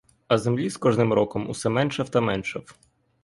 А землі з кожним роком усе меншав та меншав.